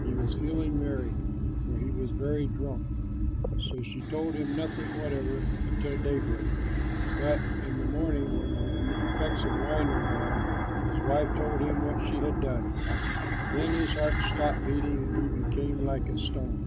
He was feeling merry, for he was very drunk; so she told him nothing whatever until daybreak. But in the morning, when the effects of the wine were gone, his wife told him what she had done. Then his heart stopped beating and he became like a stone.